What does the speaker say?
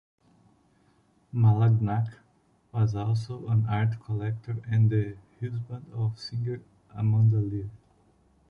Malagnac was also an art collector and the husband of singer Amanda Lear.